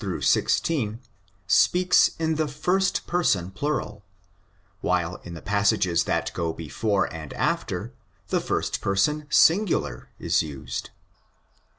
6 16 speaks in the first person plural, while in the passages that go before and after the first person singular is used.